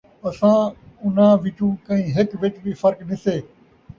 اَساں اُنھاں وِچوں کہیں ہِک وِچ وِی فرق نِسے